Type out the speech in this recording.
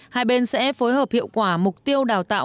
hai bên sẽ phối hợp hiệu quả mục tiêu đào tạo